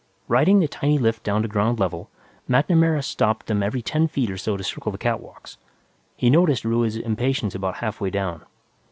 Riding the tiny lift down to ground level, MacNamara stopped them every ten feet or so to circle the catwalks. He noticed Ruiz's impatience about halfway down.